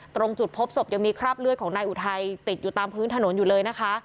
ตรงจุดพบศพยังมีคราบเลือดของนายอุทัยติดอยู่ตามพื้นถนนอยู่เลยนะคะ